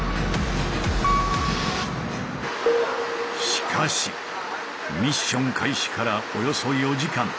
しかしミッション開始からおよそ４時間。